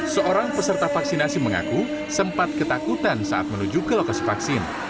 seorang peserta vaksinasi mengaku sempat ketakutan saat menuju ke lokasi vaksin